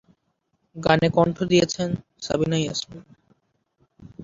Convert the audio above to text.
গানে কণ্ঠ দিয়েছেন সাবিনা ইয়াসমিন।